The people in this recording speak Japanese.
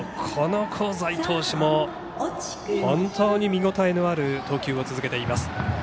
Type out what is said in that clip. この香西投手も本当に見応えのある投球を続けています。